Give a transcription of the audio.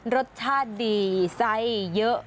รสชาติดีไซส์เยอะ